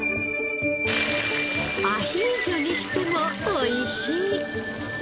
アヒージョにしても美味しい！